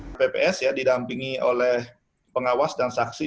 kpps ya didampingi oleh pengawas dan saksi